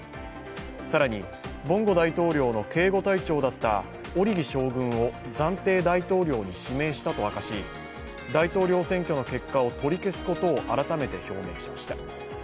更に、ボンゴ大統領の警護隊長だったオリギ将軍を暫定大統領に指名したと明かし大統領選挙の結果を取り消すことを改めて表明しました。